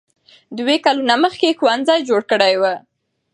دوی کلونه مخکې ښوونځي جوړ کړي وو.